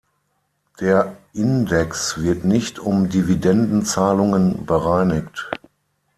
Der Index wird nicht um Dividendenzahlungen bereinigt.